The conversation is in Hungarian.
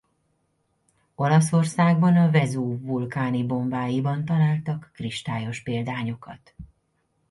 Olaszországban a Vezúv vulkáni bombáiban találtak kristályos példányokat.